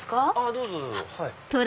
どうぞどうぞ。